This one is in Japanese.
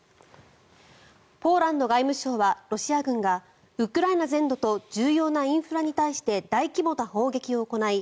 ポーランド外務省は、ロシア軍がウクライナ全土と重要なインフラに対して大規模な砲撃を行い